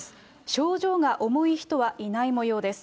症状が重い人はいないもようです。